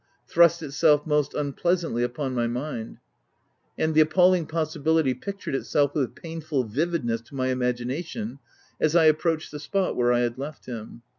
thrust itself most unpleasantly upon my mind, and the appalling possibility pictured itself with painful vividness to my imagination as I ap proached the spot where I had left him.